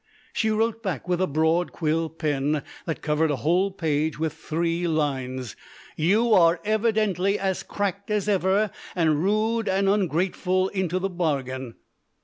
She wrote back with a broad quill pen that covered a whole page with three lines, "You are evidently as cracked as ever, and rude and ungrateful into the bargain."